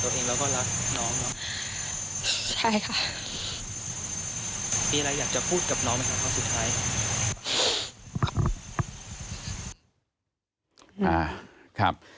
อ่าครับ